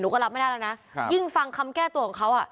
ก็รับไม่ได้แล้วนะยิ่งฟังคำแก้ตัวของเขาอ่ะ